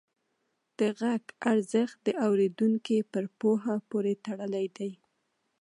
د غږ ارزښت د اورېدونکي پر پوهه پورې تړلی دی.